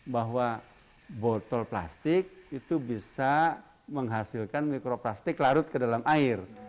bahwa botol plastik itu bisa menghasilkan mikroplastik larut ke dalam air